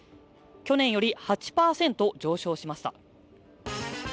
去年より８％上昇しました。